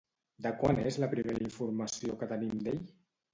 De quan és la primera informació que tenim d'ell?